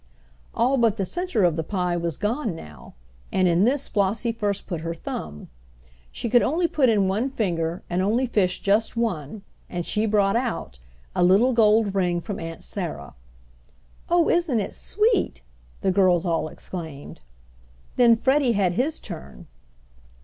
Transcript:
All but the center of the pie was gone now, and in this Flossie first put her thumb. She could only put in one finger and only fish just one, and she brought out a little gold ring from Aunt Sarah. "Oh, isn't it sweet!" the girls all exclaimed. Then Freddie had his turn.